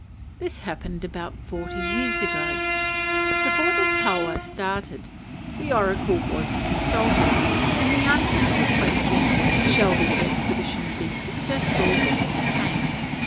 This happened about forty years ago. Before the taua started, the oracle was consulted, and the answer to the question, "Shall this expedition be successful?" came.